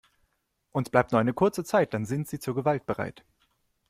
Uns bleibt nur eine kurze Zeit, dann sind sie zur Gewalt bereit.